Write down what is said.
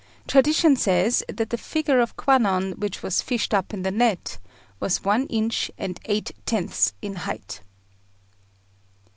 Tradition says that the figure of Kwannon which was fished up in the net was one inch and eight tenths in height.